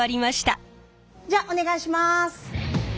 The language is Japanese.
じゃあお願いします！